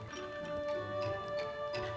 kita nyanyikan largest termintoon